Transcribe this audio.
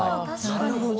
なるほど。